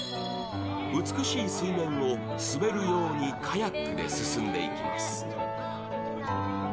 美しい水面を滑るようにカヤックで進んでいきます。